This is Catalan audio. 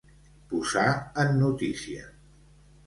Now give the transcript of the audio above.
Posar en notícia.